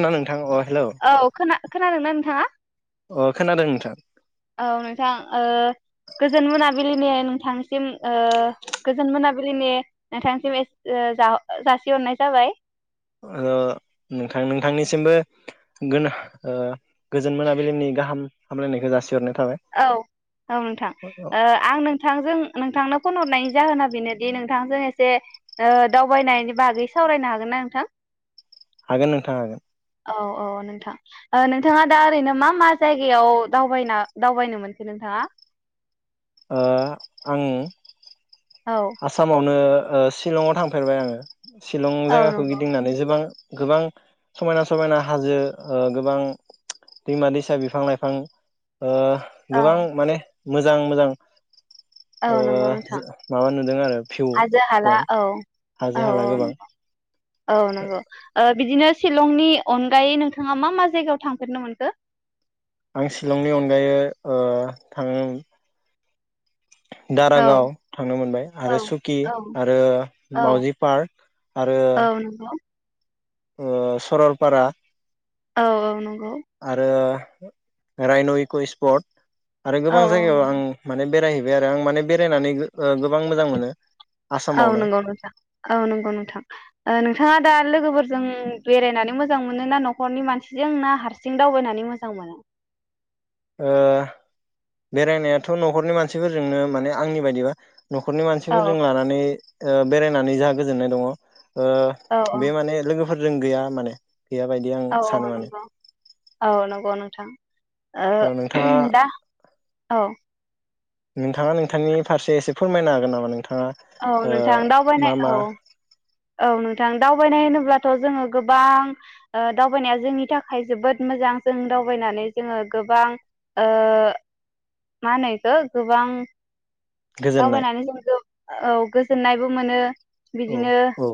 ना नोंथां अ हेलौ औ खोना खोनादोंना नोंथाङा अ खोनादों नोंथां औ नोंथां ओ गोजोन मोना बिलिनि नोंथांसिम गोजोन मोनाबिलिनि नोंथांसिम जासिहरनाय जाबाय ओ नोंथां नोंथांनिसिमबो गो ओ गोजोन मोनाबिलिमनि गाहाम हामलायनायखौ जासिहरनाय थाबाय औ औ नोंथां आं नोंथांजों नोंथांनाव फन हरनायनि जाहोना बेनोदि नोंथांजों एसे दावबायनायनि बागै सावरायनो हागोननाा नोंथां हागोन नोंथाङा हागोन औ औ नोंथां नोंथाङा दा ओरैनो मा मा जायगायाव दावबायना दावबायनो मोनसै नोंथाङा ओ आं औ आसामावनो ओ सिशलंआव थांफेरबाय आङो शिलं औ जायगाखौ नंगौ गिदिंनानै गोबां गोबां समायना समायना हाजो गोबां दैमा दैसा बिफां लाइफां ओ औ गोबां माने मोजां मोजां औ नंगौ नोंथां ओ माबा नुदों आरो भिउ हाजो हाला पइन्ट औ हाजो औ हाला औ गोबां नंगौ औ नंगौ ओ बिदिनो शिलंनि अनगायै नोंथाङा मा मा जायगायाव थांफेरनो मोनखो? आं शिलंनि अनगायै ओ थांन औ दारागाव थांनो मोनबाय औ आरो सुकि औ आरो औ मावउजि पार्क आरो औ नंगौ ओ सरलपारा औ औ नं आरो रायन' इकुये र्स्पट आरो औ गोबां जायगायाव आं माने बेरायहै बाय आरो आं माने बेरायनानै गो गोबां मोजां मोनो औ आसामावनो नंगौ नोंथां औ नंगौ नोंथां ओ नोंथाङा दा लोगोफोर जों बेरायनानै मोजां मोनो ना न'खरनि मानसिजों ना हारसिं दावबायनानै मोजां मोनो ओ बेरायनायाथ' न'खरनि मानसिफोरजोंनो माने आंनि बायदिबा न'खरनि औ मानसिफोर जों लानानै ओ बेरायनानै जाहा गोजोननाय दङ। ओ औ औ बे माने लोगोफ फोरजों गैया माने गैया बायदि आं औ सानो माने नंगौ औ नंगौ नोंथां ओ दा औ नोंथाङा नोंथांनि फारसे एसे फोरमायनो हागोन नामा नों औ नोंथां दावबायनाय औ औ नोंथां दावबायनाय होनोब्लाथ' जोङो गोबां ओ दावबायनाया जोंनि थाखाय जोबोद मोजां जों दावबायनानै जोङो गोबां ओ मा होनो बेखो गोबां गोजोननाय दावबायनानै जों जोब औ गोजोननायबो मोनो। औ बिदिनो औ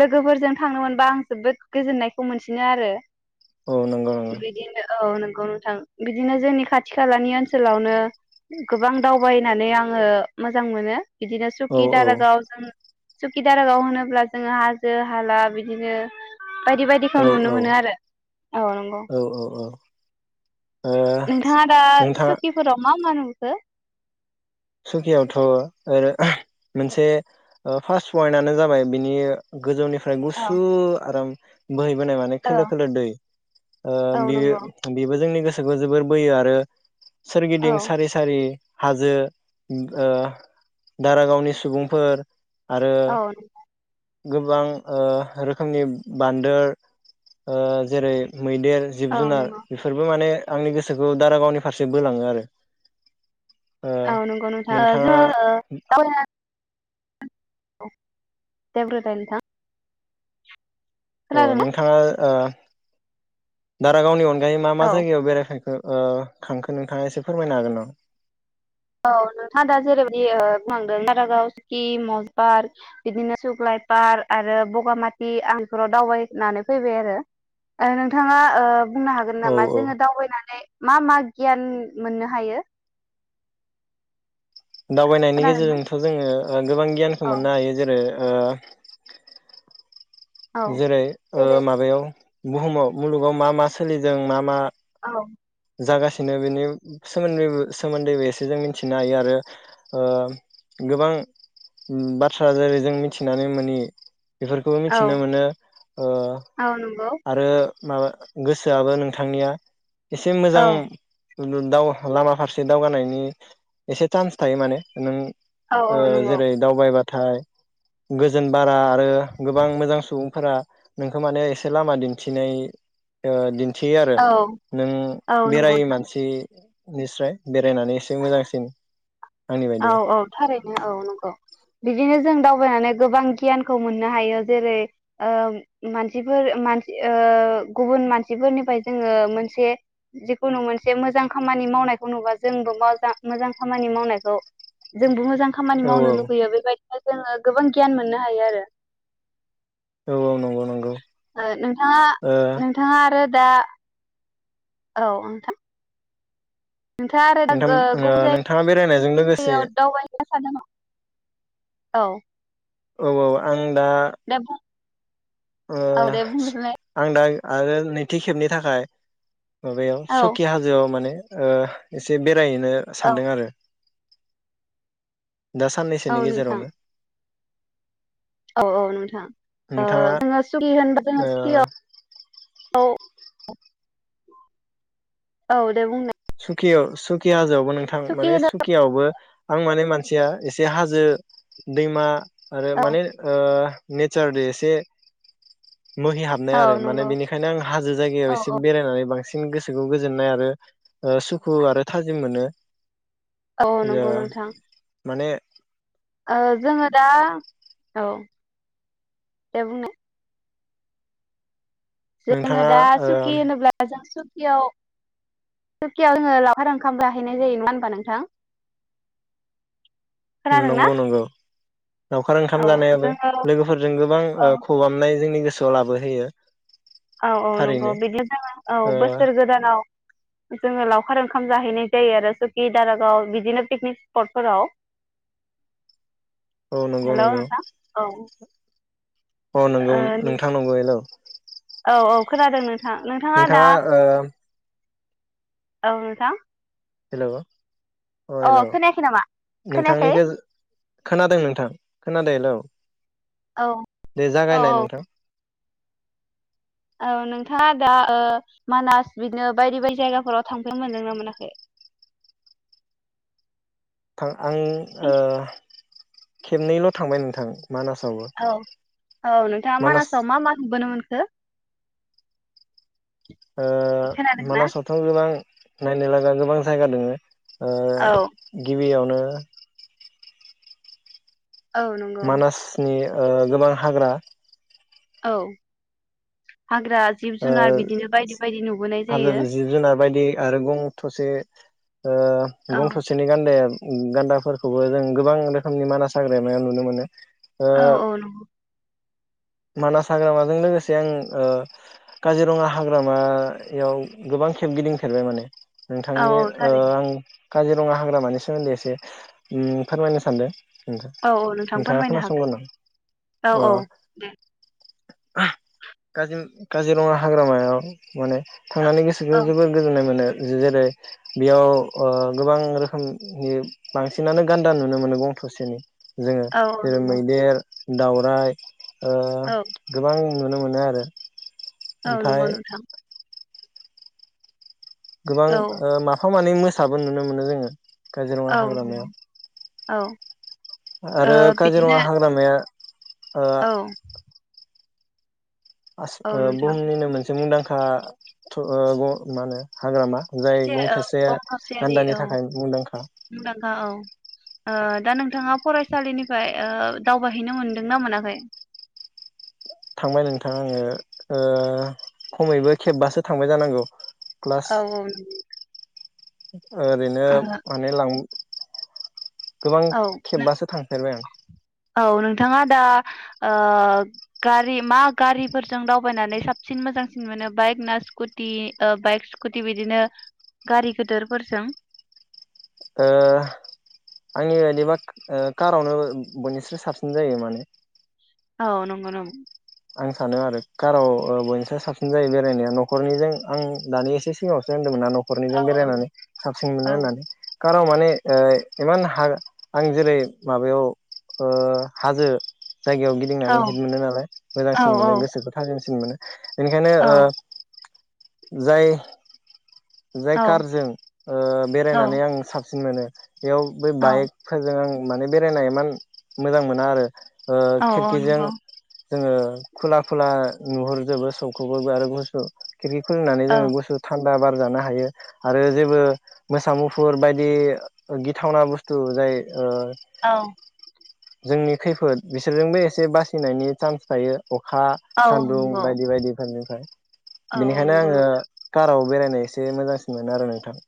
लोगोफोरजों थांनो मोनबा आं जोबोद गोजोननायखौ मोनसिनो आरो औ नंगौ नंगौ बिदिनो औ नों गौ नोंथां बिदिनो जोंनि खाथि खालानि ओनसोलावनो गोबां दावबायनानै आङो मोजां मोनो। बिदिनो औ सुकि औ दारागाव जों सुकि दारागाव होनोब ब्ला जोङो हाजो हाला बिदिनो बायदि बायदिखौ औ नुनो मोनो आरो औ नंगौ। औ औ ओ नोंथाङा दा नोंथाङा सुकिफोराव मा मा नु हो सुकियावथ' ओरो मोनसे ओ फार्स्ट पइन्टनो जाबाय बिनि गोजौनि फ्राय औ गुसु आराम बोहैबोनाय माने औ खोलो खोलो दै ओ औ बेयो नंगौ बेबो जोंनि गोस सोखौ जोबोर बोयो आरो औ सोरगिदिं सारि सारि हाजो उम गो दारागावनि सुबुंफोर आरो औ गोबां ओ रोखोमनि बान्दोर ओ जेरै मैदेर जिब औ जुनार नंगौ बेफोरबो माने आंनि गोसोखौ दारागावनि फारसे बोलाङो आरो ओ ग नोंथाङा नोंथां जोङो ओ दावबायना अ देब्र दाइल नोंथां अ खोनादोंना नोंथाङा ओ दारागावनि अन गायै मा मा औ जायगायाव बेरायफेरखो? ओ खांखो नोंथाङा एसे फोरमायनो हागोन नामा? औ नोंथाङा दा जेरैबायदि ओ बुंलांदों दारागाव सुकि म'ज पार्क बिदिनो सुकलाय पार्क आरो बगामाटि आं बेफोराव दावबायनानै फैबाय आरो ओ नोंथाङा ओ बुंनो हागोन औ नामा औ जोङो दावबायनानै मा मा गियान मोननो हायो? दावबायनायनि खोनादोंना गेजेरजोंथ' जोङो ओ गोबां गियानखौ औ मोननो हायो जेरै ओ औ जेरै जेरै ओ माबायाव बुहुमाव मुलुगाव मा मा सोलिदों मा मा? औ जागासिनो बेनि सोमोन्दै सोमोन्दैबो एसे जों मिथिनो हायो आरो ओ गोबां बाथ्रा जेरै जों मिथिनानै मोनि बेफोरखौबो औ मिथिनो मोनो ओ औ नंगौ आरो माबा गोसोआबो नोंथांनिया इसे औ मोजां [unintelligible] दाव लामा फारसे दावगानायनि एसे चान्स थायो माने नों औ ओ औ नंगौ जेरै दावबाय बाथ थाय गोजोन बाराद आरो गोबां मोजां सुबुं फोरा नोंखौ माने एसे लामा दिन्थिनाय ओ दिन थियो आरो औ नों औ नंगौ बेरायै मानसि निफ्राय बेरायनानै एसे मोजांसिन आंनि औ बायदिबा औ थारैनो औ नंगौ। बिदिनो जों दावबायनानै गोबां गियानखौ मोननो हायो जेरै ओ मानसिफोर मानसि ओ गुबुन मानसिफोरनिफ्राय जोङो मोनसे जिखुनु मोनसे मोजां खामानि मावनायखौ नुबा जोंबो मजां मोजां खामानि मावनायखौ जोंबो मोजां खामानि औ मावनो लुगैयो बेबायदिनो जोङो गोबां गियान मोननो हायो आरो औ औ नं ओ नोंथाङा नोंथाङा आरो दा औ नोंथां। नोंथाङा आरो दा गो नोंथां गुबुन ओ नोंथाङा बेरायनायजों लोगोसे जायगायाव दावबाय हैनो [unintelligible] औ औ औ आं दा दा ओ औ दे बुंग्रोलाय आं दा आरो नैथि खेबनि थाखाय माबायाव औ सखि हाजोआव माने ओ एसे बे बेराहैनो औ सानदों आरो दा साननैसोनि औ नोंथां गेजेरावनो औ औ नोंथां ओ नोंथाङा जोङो सि होनब ओ [inaudible] [unintelligible] औ दे बुंनाय सुकियाव सुकि‌‌ हाजो नंगौ नोंथां सुखि माने होनो सुखिआवबो आं माने थिया एसे हाजो दैमा आरो औ माने नेचार दे ऐसे मोहि हाबनाय औ आरो माने नंगौ बेनिखायनो आं हाजो जायगायाव औ एसे औ बेरायनानै बांसिन बांसिन गोसोखौ गोजोननाय आरो ओ सुखु आरो थाजिम मोनो। औ नंगौ ओ नोंथां माने ओ जोङो दा औ दे बुंनो जोङो नोंथाङा दा ओ सुखि होनोब्ला सुखि खियाव सुकियाव जोङो लावखार ओंखाम जाहैनाय जायो नङा होनबा नोंथां खोनादोंना नंगौ नंगौ लावखार ओंखाम औ जानायाबो जोङो लोगोफोरजों गोबां औ ओ खबामनाय जोंनि गोसो जलाबो होयो। औ औ नंगौ बिदिनो जोङोऔ ओ बोसोर गोदानाव जोङो लावखार ओंखाम जाहैनाय जायो आरो सुकि दारागाव बिदिनो पिकनिक स्पटफोराव औ नंगौ हेल नोंथां औ अ नोंगौ नोंथांनंगौ हेल औ औ खोनादों नों नोंथाङा ओ औ नोंथां हेल अ अ हेल खोनायाखै नामा खोनायाखै? नोंथांनिखौ खोनादों नोंथां खनादो हेलौ औ दे औ जागायनाय नोंथां औ नोंथाङा दा ओ मानास बिदिनो बायदि बायदि जायगाफोराव थांफै मोनदोंना मोनाखै थां आं ओ खेबनैल थांबाय नोंथां मानासावबो औ औ नोंथाङा मानास मानासाव मा मा नुबोनो मोनखो ओ खोनादोंना? मानासावथां रां नायनो लागा गोबां जायगा दोङो ओ औ गिबियाव ओ औ नंगौ मानासनि ओ गोबां हाग्रा औ हाग्रा जिब ओ जुनार बिदिनो बायदि बायदि नुबोनाय हाजो जायो जिब जुनार बायदि आरो गं थसे ओ औ गं थसेनि गान्दाया उम गान्दाफोरखौबो जों गोबां रोखोमनि मानास हाग्रामायाव नुनो मोनो। ओ औ औ नोंगौ मानास हाग्रामाजों लोगोसे आं ओ काजिरङा हाग्रामा याव गोबां खेब गिदिंफेरबाय माने औ नोंथांनि औ ओ थारैनो आं काजिरङा हाग्रामानि सोमोन्दै एसे उम फोरमायनो सान्दो। औ औ नोंथां फोरमायनो हागोन औ औ दे काजिम काजिरङा हाग्रामायाव माने थांनानै गोसोखो औ जोबोर गोजोननाय मोनो जेरै बेयाव ओ गोबां रोखोम उम बांसिनानो गान्दा नुनो मोनो गं थसेनि। जोङो औ औ जेरै नंगौ मैदेर दावराय ओ औ गोबां नुनो मोनो आरो औ ओमफ्राय नंगौ नोंथां। गोबां औ ओ माफाम माने मोसाबो नुनो मोनो जोङो काजिरङा औ नंगौ औ हाग्रामायाव ओ आरो बिदिनो काजिरङा हाग्रामाया ओ औ ओस औ ओ नोंथां बुहुमनिनो मोनसे मुंदांखा आ थु ओ व मा होनो हाग्रामा जाय थरसे गं औ थोसे गं थसेयारि औ गान्दानि थाखाय मुंदांखा मुंदांखा औ ओ दा नोंथाङा फरायसालिनिफ्राय ओ दावबायहैनो मोनदोंना मोनाखै? थांबाय नोंथां आङो ओ खमैबो खेबबासो थांबाय जानांगौ। प्लास औ औ ओरैनो नंगौ माने लां गोबां ओ खेबबासो थांफेरबाय आं औ नोंथाङा दा ओ गारि मा गारिफोरजों दावबायनानै साबसिन मोजांसिन मोनो बाइक ना स्कुटि ओ बाइक स्कुटि बिदिनो गारि गदोरफोरजों ओ आंनि बायदिबा ओ कारावनो बयनिस्राय साबसिन जायो माने औ नंगौ नं आं सानो आरो काराव ओ बयनिस्राय साबसिन जायो बेरायनाया न'खरनिजों आं दानि एसे सिगाङावसो होन दोंमोनना न'खरनिजों औ बेरायनानै साबसिन मोनो औ होननानै। कारन माने इमान ह आं जेरै माबायाव ओ हाजो जायगायाव औ गिदिंनानै हेट मोनो नालाय औ मोजांसिन मोनो गोसोखौ था सिन मोनो बेनिखायनो औ ओ जाय जाय कारजों ओ औ बेरायनानै आं साब सिन मोनो बेयाव बै औ बाइकफोरजों आं माने बेरायनो इमान मोजां मोना आरो ओ औ खिरखिजों नंगौ जोङो खुला खुला नुहरजोबो सौखौबोबो आरो गुसु खिरखि खुलिनानै औ जोङोगुसु था दा बार जानो हायो आरो जेबो मोसा मुफुर बायदि गिथावना बुस्थु जाय ओ औ जोंनि खैफोद बिसोरजोंबो एसे बासिनायनि चान्स थायो अखा औ सान्दुं नंगौ बायदि बायदिफोरनिफ्राय औ बेनिखायनो नंगौ आङो नोंथां काराव बेरायनाय एसे मोजांसिन मोनो आरो नोंथां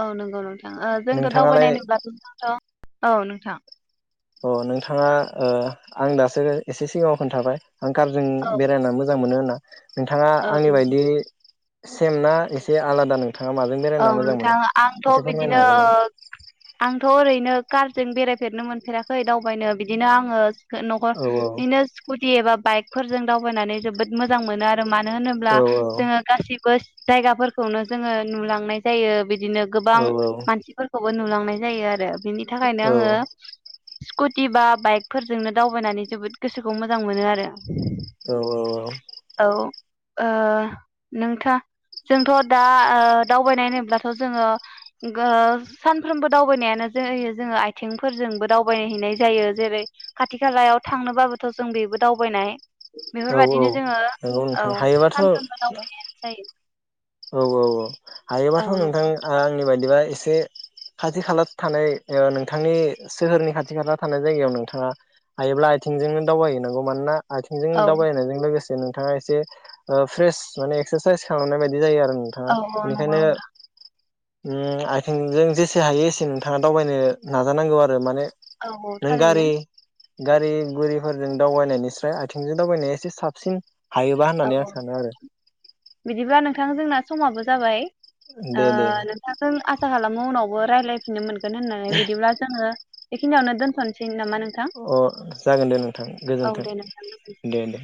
औ नंगौ नोंथां जोंथ' नोंथाङालाय दावबायनायनोब्ला नोंथथ औ नोंथां अ नोंथाङा ओ आं दासो एसे सिगाङाव खोन्थाबाय आं कारजों औ बेरायना मोजां मोनो होनना [inaudible] नोंथाङा औ आंनि नोंथां बायदि सेमना एसे आलादा नों औ नोंथां आंथ' फोरमायनो बिदिनो हागोन नामा? ओ आंथ' ओरैनो कार जों बेरायफेरनो मोनफेराखै दावबायनो बिदिनो आङो हो न'खो औ इनो स्कुटि एबा बाइक फोरजों दावबायनानै जोबोद मोजां मोनो आ रो मानो होनोब्ला औ जोङो गासिबो स जायगाफोरखौनो जोङो नुलां नाय जायो बि दिनो गोबां औ मानसिफोरखौबो नुलां नाय जायो आरो बिनि थाखायनो औ आङो कुटि बा बाइकफोरजोंनो दावबायनानै जोबोद गोसोखौ मोजां मोनो आरो औ औ औ औ ओ नोंथा जोंथ' दा ओ दावबायनाय होनोब्लाथ' जोङो गो ओ सानफ्रोमबो दावबायनायानो जायो जोङो आथेंफोरजोंबो दावबाय हैनाय जायो जेरै खाथि खालायाव थांनोबाबोथ' जों बेबो दावबायनाय औ बेफोरबादिनो जोङो नंगौ औ नोंथां हायोबाथ' सानफ्रोमबो दावबायनायानो जायो औ औ औ हायोबाथ' औ नोंथां नंगौ आ आंनि बायदिबा एस से खाथि खाला थानाय ओ नोंथांनि सोहोरनि खाथि खाला थानाय जायगायाव नोंथाङा हायोब्ला आथिंजोंनो दावबायहैनांगौ मानोना आथिंजों औ दावबायनायजों लोगोस ओ नोंथांङा एसे ओ फ्रेस माने एक्सार साइस खालामनाय बायद बि जायो आरो नोंथाङा औ औ नंगौ इनिखायनो नोंथां उम आथिंजों जेसे हायो एसे नोंथाङा दावबायनो नाजानांगौ आरो माने औ औ नों थारैनो गारि गारि गुरिफोरजों दावबायनायनिस्राय आथिंजों दावबायनाया एसे साबसिन हायोबा औ- होननानै आं औ सानो आरो बिदिबा नोंथां जोंना समाबो जाबाय ओ दे दे नोंथांजों आसा खालामो उनावबो रायलायफिननो मोन गोन होननानै बिदिब्ला जोङो बेखिनि आवनो दोनथ'निसै। अ जागोन दे नोंथां औ गोजोन्थों दे नोंथां गोजोनथों। दे दे।